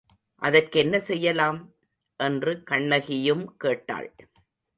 அதற்கென்ன செய்யலாம்? என்று கண்ணகியும் கேட்டாள்.